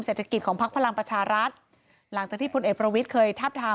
เศรษฐกิจของพักพลังประชารัฐหลังจากที่พลเอกประวิทย์เคยทาบทาม